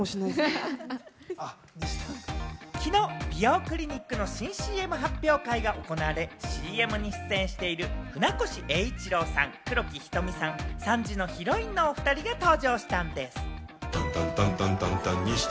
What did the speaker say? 昨日、美容クリニックの新ＣＭ発表会が行われ、ＣＭに出演している船越英一郎さん、黒木瞳さん、３時のヒロインのお２人が登場したんです。